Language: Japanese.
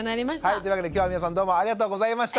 というわけで今日は皆さんどうもありがとうございました。